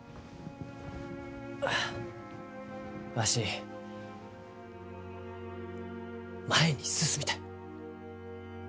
あわし前に進みたい。